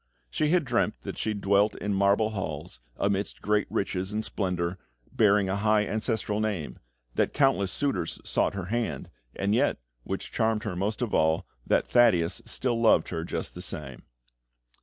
She had dreamt that she dwelt in marble halls, amidst great riches and splendour, bearing a high ancestral name; that countless suitors sought her hand; and yet, which charmed her most of all, that Thaddeus still loved her just the same.